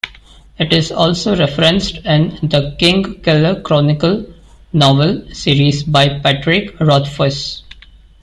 It is also referenced in "The Kingkiller Chronicle" novel series by Patrick Rothfuss.